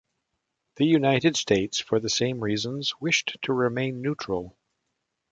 The United States, for the same reasons, wished to remain neutral.